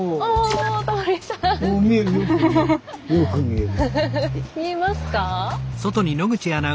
見えますか？